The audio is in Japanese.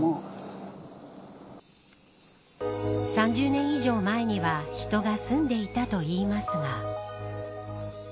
３０年以上前には人が住んでいたといいますが。